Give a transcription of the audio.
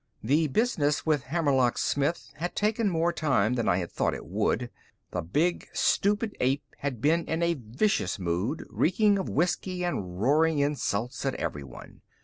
The business with Hammerlock Smith had taken more time than I had thought it would. The big, stupid ape had been in a vicious mood, reeking of whisky and roaring insults at everyone.